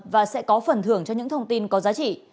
và sẽ có phần thưởng cho những thông tin có giá trị